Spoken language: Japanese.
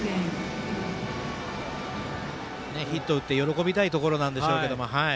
ヒットを打って喜びたいところなんでしょうけど。